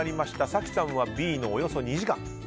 早紀さんはＢのおよそ２時間。